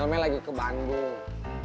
selme lagi ke bandung